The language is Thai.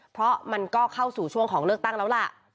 เพราะมันก็เข้าสู่ช่วงของเลือกตั้งแล้วล่ะ